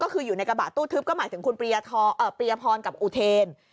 ก็คืออยู่ในกระบะตู้ทึบก็หมายถึงคุณปียพรกับอุเทน